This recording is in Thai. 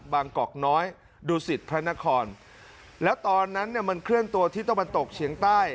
บางกอกน้อยดูสิทธิ์พระนครแล้วตอนนั้นมันเคลื่อนตัวที่ต้องมันตกเฉียงใต้